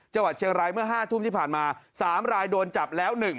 จังหวัดเชียงรายเมื่อ๕ทุ่มที่ผ่านมา๓รายโดนจับแล้ว๑